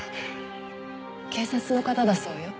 警察の方だそうよ。